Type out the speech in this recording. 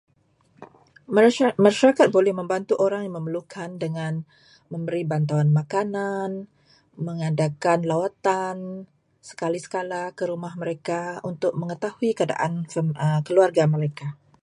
Masya- Masyarakat boleh membantu orang yang memerlukan dengan memberi bantuan makanan, mengadakan lawatan sekali-sekali ke rumah mereka untuk mengetahui keadaan fami- keluarga mereka.